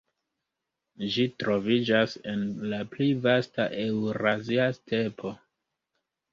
Ĝi troviĝas en la pli vasta Eŭrazia Stepo.